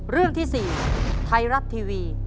เรื่องที่๔ไทยรัฐทีวี